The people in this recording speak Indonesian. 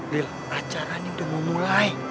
lil acara ini udah mau mulai